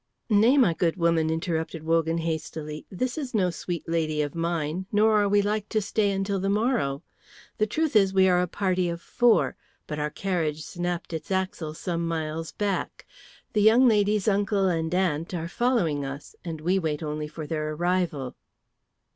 "Nay, my good woman," interrupted Wogan, hastily. "This is no sweet lady of mine, nor are we like to stay until the morrow. The truth is, we are a party of four, but our carriage snapped its axle some miles back. The young lady's uncle and aunt are following us, and we wait only for their arrival."